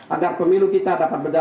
agar pemilu kita dapat berjalan